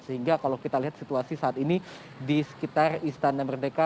sehingga kalau kita lihat situasi saat ini di sekitar istana merdeka